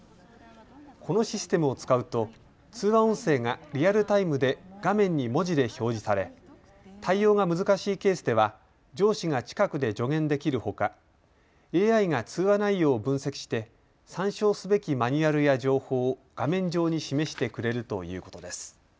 このシステムを使うと通話音声がリアルタイムで画面に文字で表示され対応が難しいケースでは上司が近くで助言できるほかＡＩが通話内容を分析して参照すべきマニュアルや情報を画面上に示してくれるということです。